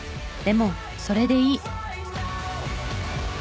でもそれでいい。